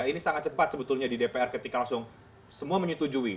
ini sangat cepat sebetulnya di dpr ketika langsung semua menyetujui